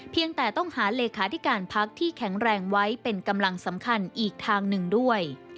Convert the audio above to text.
เพียงแต่ต้องหาเลขาธิการพักที่แข็งแรงไว้เป็นกำลังสำคัญอีกทางหนึ่งด้วย